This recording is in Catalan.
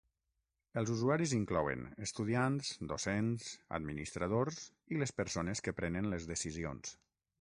Els usuaris inclouen estudiants, docents, administradors i les persones que prenen les decisions.